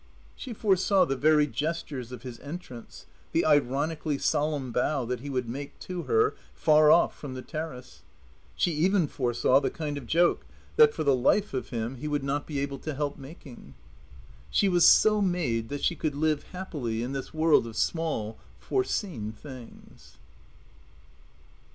She foresaw the very gestures of his entrance, the ironically solemn bow that he would make to her, far off, from the terrace; she even foresaw the kind of joke that, for the life of him, he would not be able to help making. She was so made that she could live happily in this world of small, foreseen things.